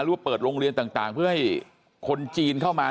ว่าเปิดโรงเรียนต่างเพื่อให้คนจีนเข้ามา